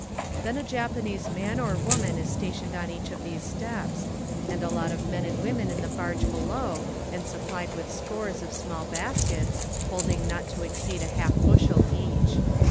Then a Japanese man or woman is stationed on each of these steps, and a lot of men and women in the barge below, and supplied with scores of small baskets, holding not to Queer Methods of Travel 709 exceed a half bushel each.